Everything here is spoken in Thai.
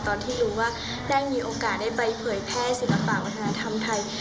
ตอนที่รู้ว่าได้มีโอกาสได้ไปเผยแพร่ศิลปะวัฒนธรรมไทย